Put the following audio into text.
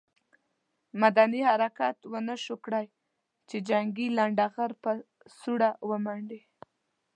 مدني حرکت ونه شو کړای چې جنګي لنډه غر په سوړه ومنډي.